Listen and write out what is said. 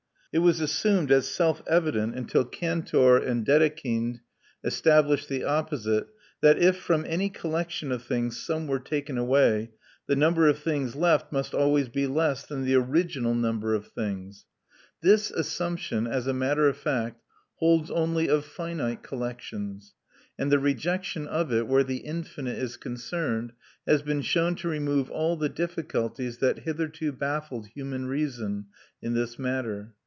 It was assumed as self evident, until Cantor and Dedekind established the opposite, that if, from any collection of things, some were taken away, the number of things left must always be less than the original number of things. This assumption, as a matter of fact, holds only of finite collections; and the rejection of it, where the infinite is concerned, has been shown to remove all the difficulties that hitherto baffled human reason in this matter."